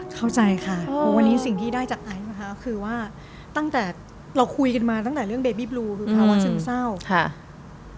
เข้าใจค่ะเพราะวันนี้สิ่งที่ได้จากไอซ์นะคะคือว่าตั้งแต่เราคุยกันมาตั้งแต่เรื่องเบบีบลูคือภาวะซึมเศร้าค่ะ